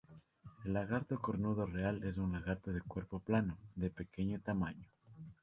El lagarto cornudo real es un lagarto de cuerpo plano, de pequeño tamaño.